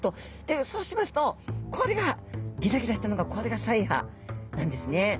そうしますとこれがギザギザしたのがこれが鰓耙なんですね。